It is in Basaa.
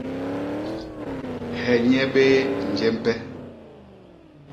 He nye béé, njee mpe?